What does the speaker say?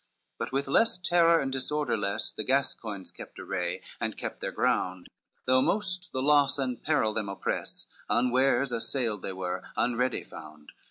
LXXVIII But with less terror, and disorder less, The Gascoigns kept array, and kept their ground, Though most the loss and peril them oppress, Unwares assailed they were, unready found.